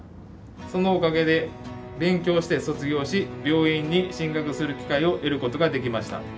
そのおかげで勉強して卒業し病院に就職する機会を得ることができました。